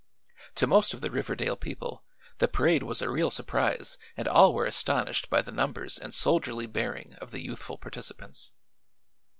To most of the Riverdale people the parade was a real surprise and all were astonished by the numbers and soldierly bearing of the youthful participants.